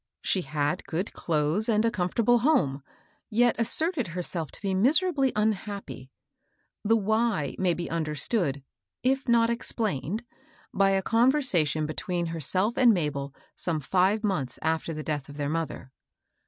She had good clothes and a comfortable home, yet asserted herself to be miserably unhappy. The wJiy may be understood, if not explained, by a conversation between herself and Mabel some five months after the death of their mother.